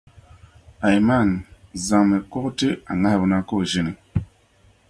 Aiman, zaŋmi kuɣu ti a ŋahiba na ka o ʒini.